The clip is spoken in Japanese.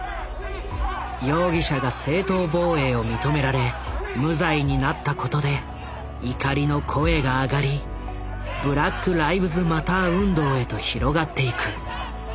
容疑者が正当防衛を認められ無罪になったことで怒りの声が上がりＢｌａｃｋＬｉｖｅｓＭａｔｔｅｒ運動へと広がっていく。